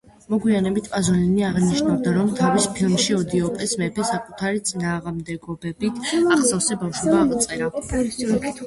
მოგვიანებით პაზოლინი აღნიშნავდა, რომ თავის ფილმში „ოიდიპოს მეფე“ საკუთარი წინააღმდეგობებით აღსავსე ბავშვობა აღწერა.